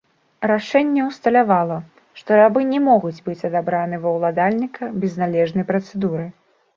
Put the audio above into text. Рашэнне ўсталявала, што рабы не могуць быць адабраны ва ўладальніка без належнай працэдуры.